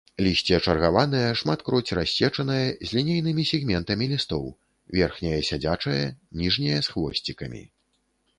Лісце чаргаванае, шматкроць рассечанае, з лінейнымі сегментамі лістоў, верхняе сядзячае, ніжняе з хвосцікамі.